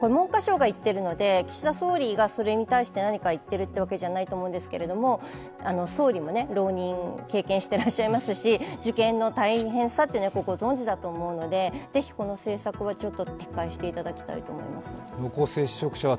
これは文科省が言っているので、岸田総理がそれに対して何か言っているわけじゃないと思うんですが、総理も浪人を経験していらっしゃいますし、受験の大変さはよくご存じだと思うので、ぜひこの政策は撤回していただきたいと思います。